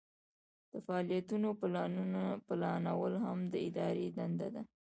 د فعالیتونو پلانول هم د ادارې دنده ده.